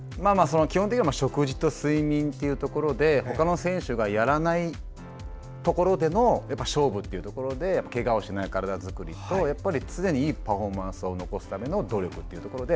基本的には食事と睡眠というところで他の選手がやらないところでの勝負というところでけがをしない体づくりとやっぱり常にいいパフォーマンスを残すための努力というところで。